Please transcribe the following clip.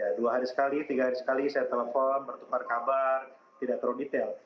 ya dua hari sekali tiga hari sekali saya telepon bertukar kabar tidak terlalu detail